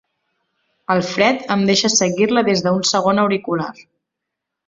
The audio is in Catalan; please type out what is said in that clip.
El Fred em deixa seguir-la des d'un segon auricular.